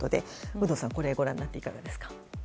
有働さん、これをご覧になっていかがですか？